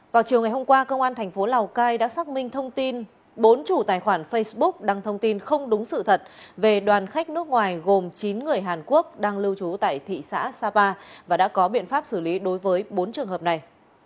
vào chiều ngày hôm qua công an thành phố lào cai đã xác minh thông tin bốn chủ tài khoản facebook đăng thông tin không đúng sự thật về đoàn khách nước ngoài gồm chín người hàn quốc đang lưu trú tại thị xã sapa và đã có biện pháp xử lý đối với bốn trường hợp này